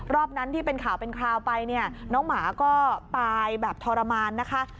รอบนั้นที่เป็นข่าวเป็นคราวไปเนี่ยน้องหมาก็ตายแบบทรมานนะคะ